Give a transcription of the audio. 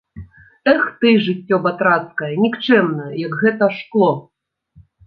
Эх ты, жыццё батрацкае, нікчэмнае, як гэта шкло!